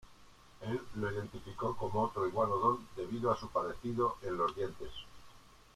Él lo identificó como otro "Iguanodon" debido a su parecido en los dientes.